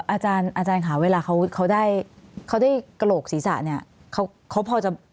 อาจารย์ค่ะเวลาเขาได้กะโหลกศีรษะนี่เขาพอจะ